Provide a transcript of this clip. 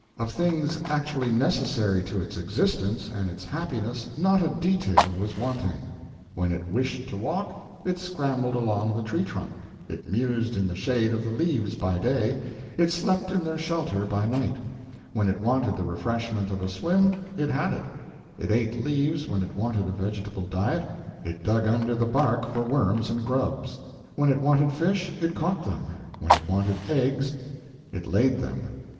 Of things actually necessary to its existence and its happiness not a detail was wanting. When it wished to walk, it scrambled along the tree trunk; it mused in the shade of the leaves by day, it slept in their shelter by night; when it wanted the refreshment of a swim, it had it; it ate leaves when it wanted a vegetable diet, it dug under the bark for worms and grubs; when it wanted fish it caught them, when it wanted eggs it laid them.